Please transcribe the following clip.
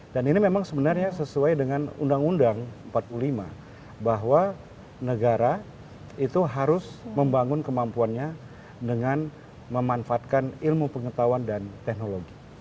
dan ini memang sebenarnya sesuai dengan undang undang empat puluh lima bahwa negara itu harus membangun kemampuannya dengan memanfaatkan ilmu pengetahuan dan teknologi